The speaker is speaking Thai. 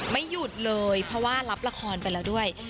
ไม่หยุดเลยเพราะว่ารับละครไปแล้วด้วย